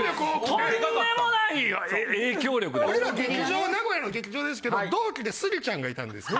俺ら劇場名古屋の劇場ですけど同期でスギちゃんがいたんですよ。